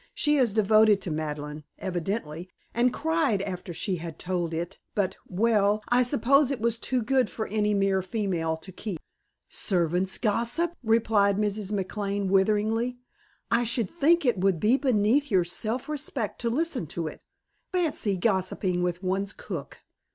She is devoted to Madeleine, evidently, and cried after she had told it, but well, I suppose it was too good for any mere female to keep." "Servants' gossip," replied Mrs. McLane witheringly. "I should think it would be beneath your self respect to listen to it. Fancy gossiping with one's cook."